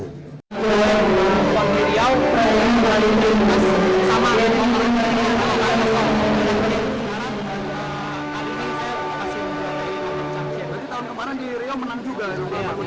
pon ke sembilan belas di gor pajajaran bandung jawa barat